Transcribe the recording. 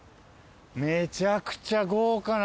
めちゃくちゃ豪華な。